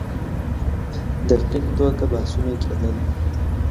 دقیق توګه بحثونه کېدل.